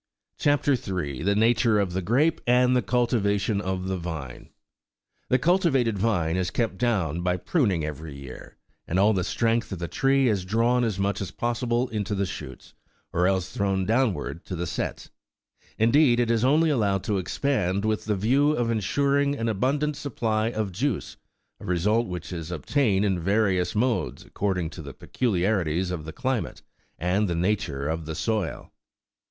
CHAP. 3. THE NATURE OF THE GEAPE, AND THE CULTIVATION OP THE VINE. The cultivated vine is kept down by pruning every year, and all the strength of the tree is drawn as much as possible into the shoots, or else thrown downwards to the sets ;12 indeed, it is only allowed to expand with the view of ensuring an abundant supply of juice, a result which is obtained in various modes according to the peculiarities of the climate and the nature of the soil.